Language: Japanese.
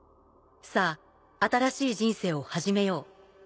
さぁ新しい人生を始めよう。